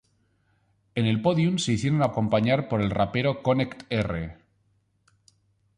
En el pódium se hicieron acompañar por el rapero "Connect-R".